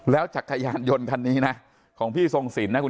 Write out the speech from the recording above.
๓๒๔แล้วจักรยานยนต์คันนี้นะของนี่พี่ทรงสิน